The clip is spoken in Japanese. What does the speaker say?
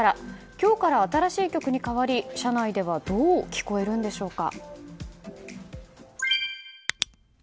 今日から新しい曲に変わり車内ではどう聞こえるんでしょうか。